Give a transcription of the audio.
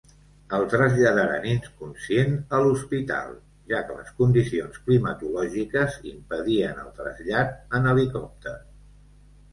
El traslladaren inconscient a l'hospital, ja que les condicions climatològiques impedien el trasllat en helicòpter.